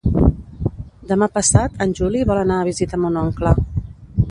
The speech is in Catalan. Demà passat en Juli vol anar a visitar mon oncle.